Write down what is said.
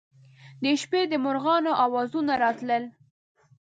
د شپې د مرغانو اوازونه راتلل.